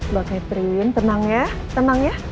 mbak catherine tenang ya